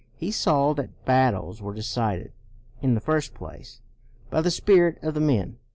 He saw that battles were decided, in the first place, by the spirit of the men.